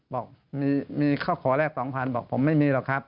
บอกมีเขาขอแรก๒๐๐๐บอกผมไม่มีหรอกครับ